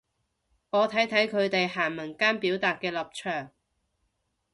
我睇睇佢哋行文間表達嘅立場